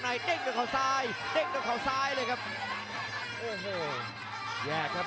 แชลเบียนชาวเล็ก